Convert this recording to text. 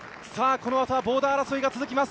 このあとはボーダー争いが続きます。